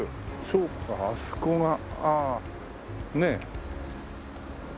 そうかあそこがああねえ。